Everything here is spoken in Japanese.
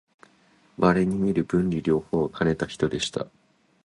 まれにみる文理両方をかねた人でした